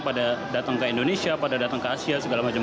pada datang ke indonesia pada datang ke asia segala macam